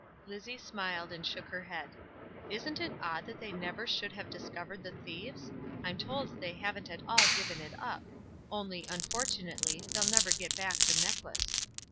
Lizzie smiled and shook her head. "Isn't it odd that they never should have discovered the thieves? I'm told they haven't at all given it up, only, unfortunately, they'll never get back the necklace."